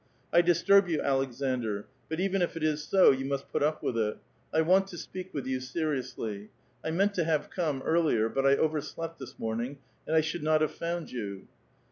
*' I disturb you, Aleksaudr ; but even if it is so, you must put up with it. I want to speak ^ J'ou seriously. 1 meant to have come earlier, but I over ®^®pt this morning, and I should not have found you."